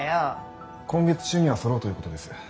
今月中にはそろうということです。